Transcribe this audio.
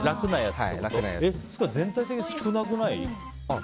つか全体的に少なくない？